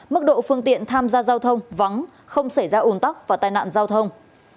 mức độ phương tiện tham gia giao thông vắng không xảy ra ồn tắc và tai nạn giao thông